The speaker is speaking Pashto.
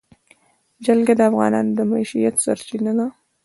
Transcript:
جلګه د افغانانو د معیشت سرچینه ده.